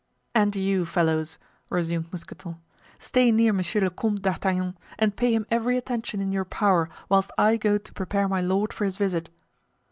"And you—fellows," resumed Mousqueton, "stay near Monsieur le Comte d'Artagnan and pay him every attention in your power whilst I go to prepare my lord for his visit."